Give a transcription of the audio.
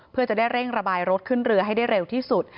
เพื่อจะได้เร่งระบายรถขึ้นเรือให้ได้เร็วที่สุด